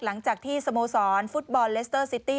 หลังจากที่สโมสรฟุตบอลเลสเตอร์ซิตี้